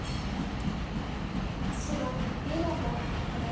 白２の五ハネ。